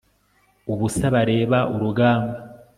ubusa bareba urugamba